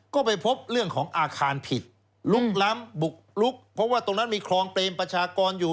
ก็ไปพบเรื่องของอาคารผิดลุกล้ำบุกลุกเพราะว่าตรงนั้นมีคลองเปรมประชากรอยู่